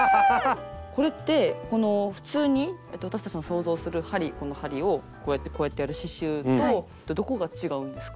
これって普通に私たちの想像するこの針をこうやってこうやってやる刺しゅうとどこが違うんですか？